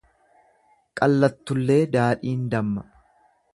Qallattullee daadhiin damma.